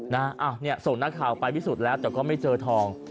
อ้าวเนี่ยส่งนักข่าวไปพิสูจน์แล้วแต่ก็ไม่เจอทอง